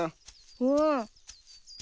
うん。